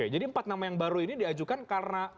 jadi empat nama yang baru ini diajukan karena